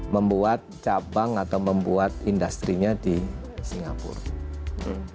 membuat cabang atau membuat industri nya di singapura